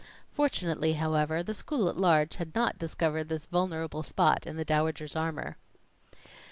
Fortunately, however, the school at large had not discovered this vulnerable spot in the Dowager's armor.